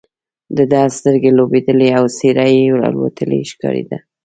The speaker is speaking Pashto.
د ده سترګې لوېدلې او څېره یې الوتې ښکارېده.